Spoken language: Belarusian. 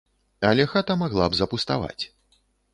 Але хата магла б запуставаць.